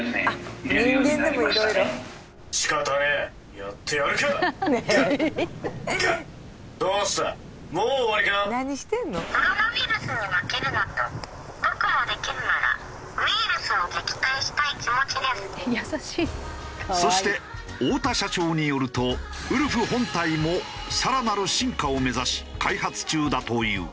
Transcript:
やはりそして太田社長によるとウルフ本体も更なる進化を目指し開発中だという。